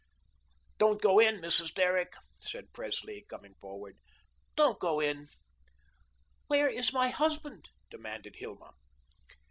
"Don't go in, Mrs. Derrick," said Presley, coming forward, "don't go in." "Where is my husband?" demanded Hilma.